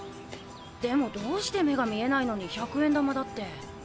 でもどうして目が見えないのに百円玉だって。